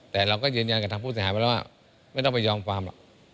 แต่เราก็ยืนยันกับทางผู้เสียหายไปแล้วว่าไม่ต้องไปยอมความหรอก